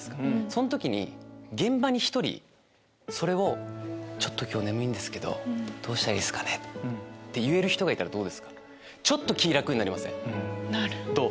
その時に現場に１人それをちょっと今日眠いんですけどどうしたらいいですかね？って言える人がいたらどうですか？